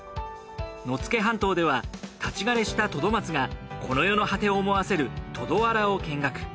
野付半島では立ち枯れしたトドマツがこの世の果てを思わせるトドワラを見学。